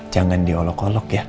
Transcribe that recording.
jangan diolok olok ya